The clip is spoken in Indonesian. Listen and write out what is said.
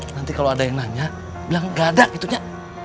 nanti kalau ada yang nanya bilang tidak ada gitu ya